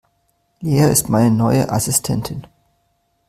Lea ist meine neue Assistentin.